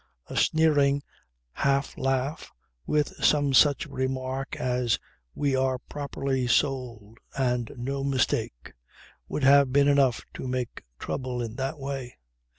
A sneering half laugh with some such remark as: "We are properly sold and no mistake" would have been enough to make trouble in that way.